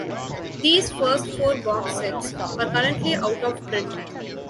These first four box sets are currently out of print.